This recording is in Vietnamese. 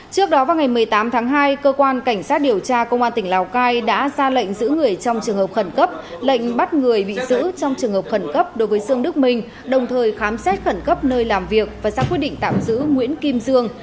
trước đó vào ngày một mươi tám tháng hai cơ quan cảnh sát điều tra công an tỉnh lào cai đã ra lệnh giữ người trong trường hợp khẩn cấp lệnh bắt người bị giữ trong trường hợp khẩn cấp đối với dương đức minh đồng thời khám xét khẩn cấp nơi làm việc và xác quyết định tạm giữ nguyễn kim dương